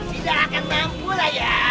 tidak akan mampulah ya